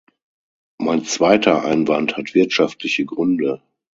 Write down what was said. Mein zweiter Einwand hat wirtschaftliche Gründe.